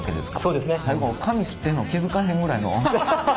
もう髪切ってんの気付かへんぐらいの。